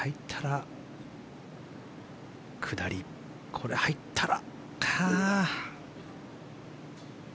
これ、入ったら。